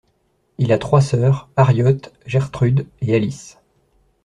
Il a trois sœurs, Harriott, Gertrude et Alice.